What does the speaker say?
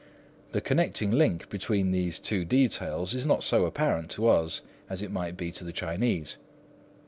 The connecting link between these two details is not so apparent to us as it might be to the Chinese.